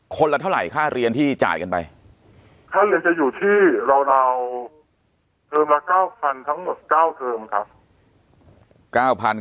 ละเท่าไหรค่าเรียนที่จ่ายกันไปค่าเรือจะอยู่ที่ราวเทอมละ๙๐๐ทั้งหมด๙เทอมครับ